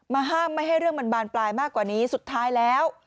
ห้ามไม่ให้เรื่องมันบานปลายมากกว่านี้สุดท้ายแล้ว